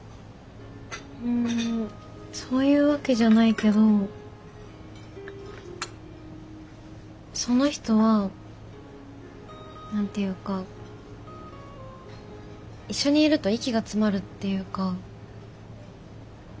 うんそういうわけじゃないけどその人は何て言うか一緒にいると息が詰まるっていうか。